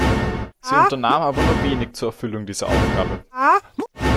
Sie unternahm aber nur wenig zur Erfüllung dieser Aufgabe.